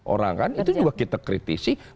orang kan itu juga kita kritisi